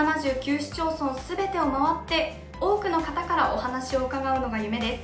市町村すべてを回って多くの方からお話を伺うのが夢です。